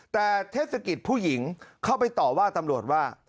แต่เทศกิจผู้หญิงเข้าไปต่อว่าตำรวจว่า